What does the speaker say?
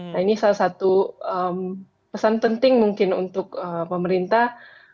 nah ini salah satu pesan penting mungkin untuk pemerintah